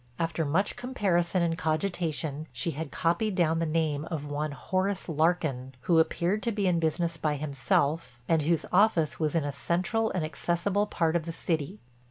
After much comparison and cogitation she had copied down the name of one Horace Larkin, who appeared to be in business by himself and whose office was in a central and accessible part of the city.